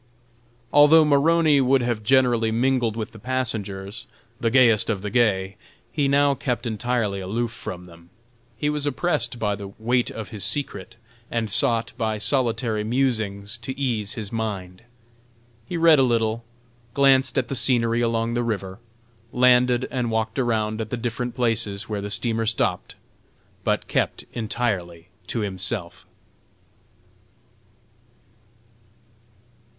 Although Maroney would have generally mingled with the passengers, "the gayest of the gay," he now kept entirely aloof from them. He was oppressed by the "weight of his secret," and sought "by solitary musings" to ease his mind. He read a little, glanced at the scenery along the river, landed and walked around at the different places where the steamer stopped, but kept entirely to himself.